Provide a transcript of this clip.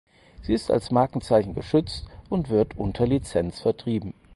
Sie ist als Markenzeichen geschützt und wird unter Lizenz vertrieben.